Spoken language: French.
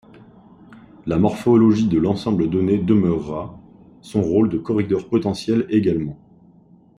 La morphologie de l'ensemble donné demeurera, son rôle de corridor potentiel également.